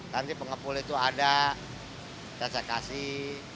nanti pengepul itu ada kita saya kasih